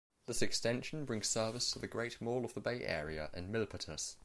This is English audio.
This extension brings service to the Great Mall of the Bay Area in Milpitas.